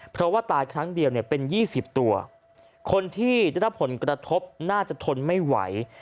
เพราะว่าตายครั้งเดียวเนี่ยเป็น๒๐ตัวคนที่ได้รับผลกระทบน่าจะทนไม่ไหว